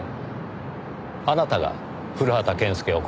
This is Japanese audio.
あなたが古畑健介を殺したんです。